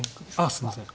あすいません